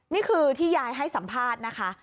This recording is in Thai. นี่คือที่ยายให้สัมภาษณ์นะคะ